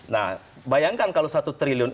nah bayangkan kalau satu triliun